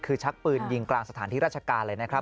คือชักปืนยิงกลางสถานที่ราชการเลยนะครับ